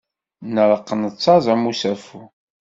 Nreqq nettaẓ am usafu.